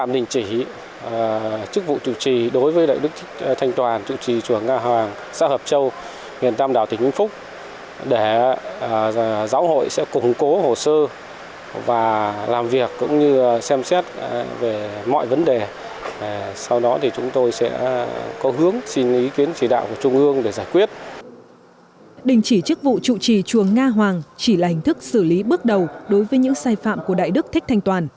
đình chỉ chức vụ trụ trì chuồng nga hoàng chỉ là hình thức xử lý bước đầu đối với những sai phạm của đại đức thích thanh toàn